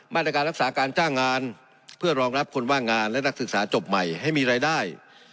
มาตรการรักษาการจ้างงานเพื่อรองรับคนว่างงานและนักศึกษาจบใหม่ให้มีรายได้